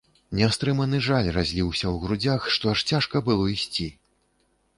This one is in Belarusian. Нястрыманы жаль разліўся ў грудзях, што аж цяжка было ісці.